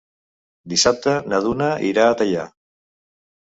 Dissabte na Duna irà a Teià.